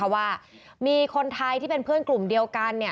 ว่ามีคนไทยที่เป็นเพื่อนกลุ่มเดียวกัน